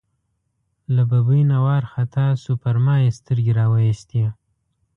له ببۍ نه وار خطا شو، پر ما یې سترګې را وایستې.